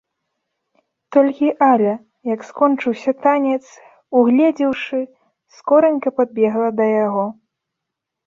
Толькі Аля, як скончыўся танец, угледзеўшы, скоранька падбегла да яго.